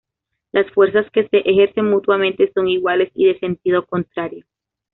Las fuerzas que se ejercen mutuamente son iguales y de sentido contrario.